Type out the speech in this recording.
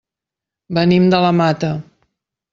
Venim de la Mata.